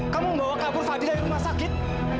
kamu membawa kabur fadil ke rumah sakit